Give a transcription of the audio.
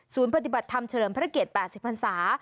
ศูนย์ปฏิบัติธรรมเฉลิมพระเกต๘๐ภัณฑ์ศาสตร์